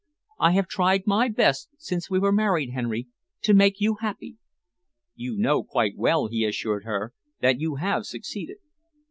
I have tried my best since we were married, Henry, to make you happy." "You know quite well," he assured her, "that you have succeeded."